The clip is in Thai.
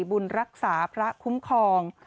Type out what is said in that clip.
บุญรักษาพระคุ้มครอง